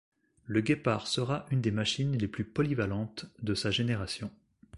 Le Guépard sera une des machines les plus polyvalentes de sa génération.